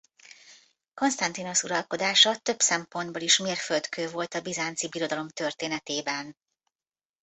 Kónsztantinosz uralkodása több szempontból is mérföldkő volt a Bizánci Birodalom történetében.